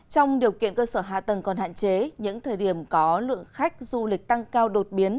trong điều kiện cơ sở hạ tầng còn hạn chế những thời điểm có lượng khách du lịch tăng cao đột biến